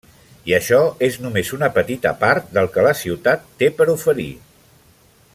I això és només una petita part del que la ciutat té per oferir.